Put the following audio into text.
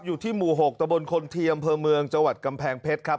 อยู่ที่หมู่๖ตะบลคนเทียมพเมืองจกำแพงเพชรครับ